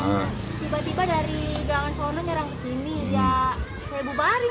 tiba tiba dari gangan sono nyerang ke sini